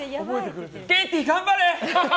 ケンティー頑張れ！